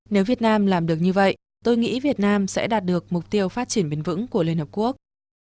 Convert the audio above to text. nếu việt nam làm được như vậy tôi nghĩ việt nam sẽ đạt được mục tiêu phát triển bền vững của liên hợp quốc